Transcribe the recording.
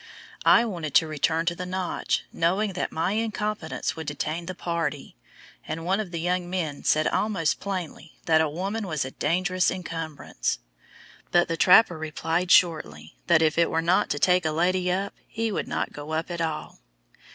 I wanted to return to the "Notch," knowing that my incompetence would detain the party, and one of the young men said almost plainly that a woman was a dangerous encumbrance, but the trapper replied shortly that if it were not to take a lady up he would not go up at all.